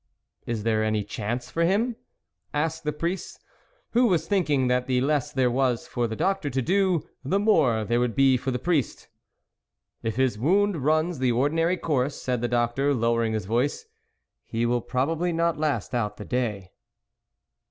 " Is there any chance for him ?" asked the priest, who \vas thinking that the less THE WOLF LEADER 89 there was for the doctor to do, the more there would be for the priest. " If his wound runs the ordinary course," said the doctor, lowering his voice, ' he will probably not last out the day."